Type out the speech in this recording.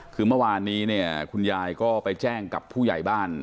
คือเมื่อวานนี้เนี่ยคุณยายก็ไปแจ้งกับผู้ใหญ่บ้าน